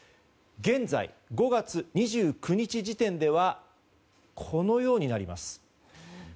現在、５月２９日時点ではこのようになります。